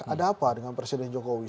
ada apa dengan presiden jokowi